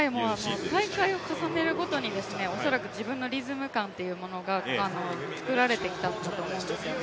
大会を重ねるごとに自分のリズム感が作られてきたと思うんですよね。